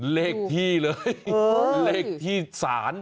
เลขที่เลยเลขที่๓